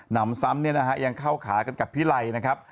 นำซ้ำยังเข้าขากันกับพี่ไลนะครับ